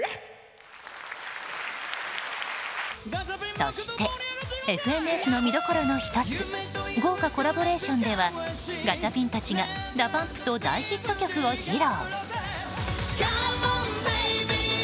そして「ＦＮＳ」の見どころの１つ豪華コラボレーションではガチャピンたちがＤＡＰＵＭＰと大ヒット曲を披露。